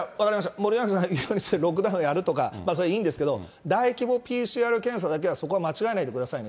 森永さん、非常にロックダウンやるとか、それはいいんですけど、大規模ＰＣＲ検査だけは、そこは間違えないでくださいね。